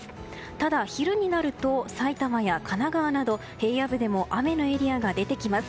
ただ、昼になると埼玉や神奈川など平野部でも雨のエリアが出てきます。